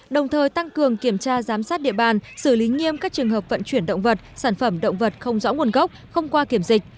đồng thời tăng cường kiểm tra giám sát địa bàn xử lý nghiêm các trường hợp vận chuyển động vật sản phẩm động vật không rõ nguồn gốc không qua kiểm dịch